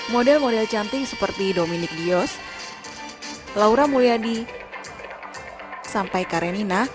model model cantik seperti dominic dios laura mulyadi sampai karenina